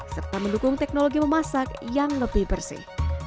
serta mendukung teknologi memasak yang lebih bersih